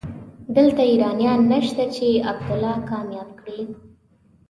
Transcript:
دلته ايرانيان نشته چې عبدالله کامياب کړي.